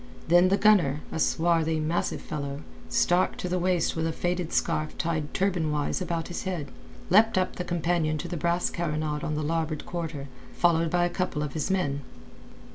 Then the gunner, a swarthy, massive fellow, stark to the waist with a faded scarf tied turban wise about his head, leapt up the companion to the brass carronade on the larboard quarter, followed by a couple of his men.